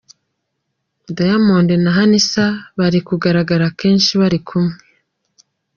Diamond na Hamisa bari kugaragara kenshi bari kumwe.